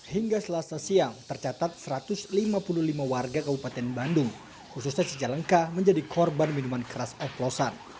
hingga selasa siang tercatat satu ratus lima puluh lima warga kabupaten bandung khususnya cicalengka menjadi korban minuman keras oplosan